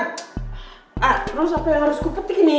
terus apa yang harus kupetik nih